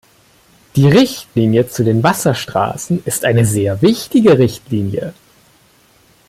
Die Richtlinie zu den Wasserstraßen ist eine sehr wichtige Richtlinie.